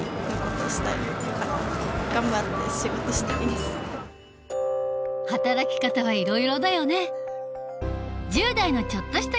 でも働き方はいろいろだよね。